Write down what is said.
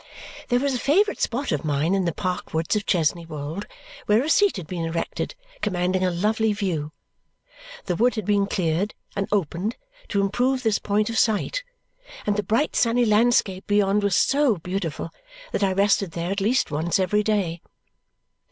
There was a favourite spot of mine in the park woods of Chesney Wold where a seat had been erected commanding a lovely view. The wood had been cleared and opened to improve this point of sight, and the bright sunny landscape beyond was so beautiful that I rested there at least once every day.